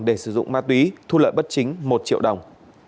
để sử dụng ma túy thu lợi bất chính một triệu đồng